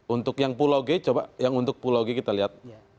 untuk yang pulau g coba yang untuk pulau g kita lihat